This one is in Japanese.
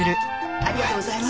ありがとうございます。